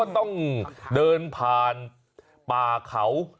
ต้องเดินผ่านป่าเขา